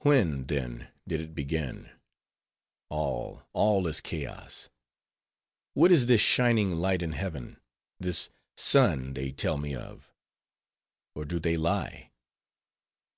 When, then, did it begin? All, all is chaos! What is this shining light in heaven, this sun they tell me of? Or, do they lie?